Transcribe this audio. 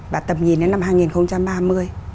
và tầm nhìn đến năm hai nghìn ba mươi